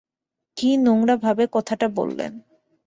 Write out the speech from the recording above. কি নোংরা ভাবে কথাটা বললেন!